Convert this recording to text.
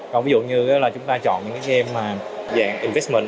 còn ví dụ như chúng ta chọn những game dạng investment